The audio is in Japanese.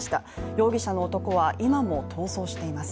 容疑者の男は今も逃走しています。